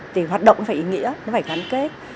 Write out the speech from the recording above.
thì hoạt động phải ý nghĩa nó phải gắn kết